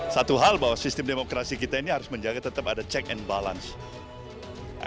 satu hal bahwa sistem demokrasi kita ini harus menjaga tetap ada check and balance